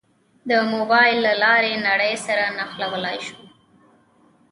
د موبایل له لارې نړۍ سره نښلېدای شو.